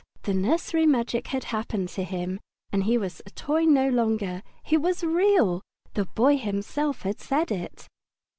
The nursery magic had happened to him, and he was a toy no longer. He was Real. The Boy himself had said it.